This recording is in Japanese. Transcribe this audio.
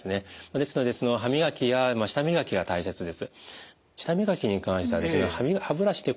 ですので歯磨きや舌磨きが大切です。